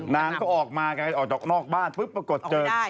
นางก็ออกมาไงออกนอกบ้านปุ๊บปรากฏเจอ